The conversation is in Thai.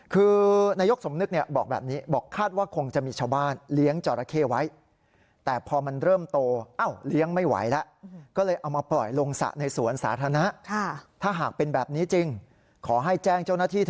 คือนายกสมนึกเนี่ยบอกแบบนี้บอกคาดว่าคงจะมีชาวบ้าน